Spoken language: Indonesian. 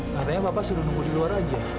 makanya papa suruh nunggu di luar aja